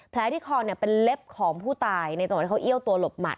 ที่คอเนี่ยเป็นเล็บของผู้ตายในจังหวะที่เขาเอี้ยวตัวหลบหมัด